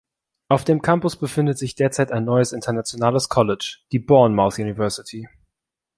Auf dem Campus befindet sich derzeit ein neues internationales College, die Bournemouth University.